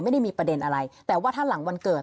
ไม่ได้มีประเด็นอะไรแต่ว่าถ้าหลังวันเกิด